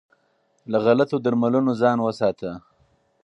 له غلطو درملنو ځان وساته.